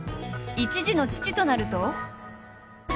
１児の父となると。